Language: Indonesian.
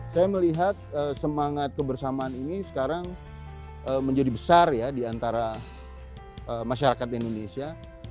saya melihat semangat kebersamaan ini sekarang menjadi besar ya diantara masyarakat indonesia